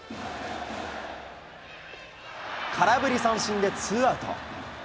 空振り三振でツーアウト。